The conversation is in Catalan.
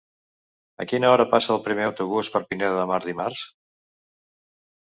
A quina hora passa el primer autobús per Pineda de Mar dimarts?